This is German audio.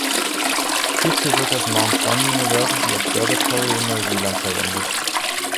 Hierfür wird das Mt John University Observatory in Neuseeland verwendet.